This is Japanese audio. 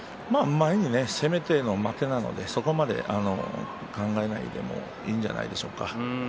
前に攻めての負けなのでそこまで考えないでいいんじゃないでしょうか。